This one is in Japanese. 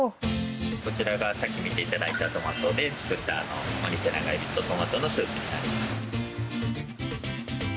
こちらがさっき見ていただいたトマトで作ったオニテナガエビとトマトのスープになります。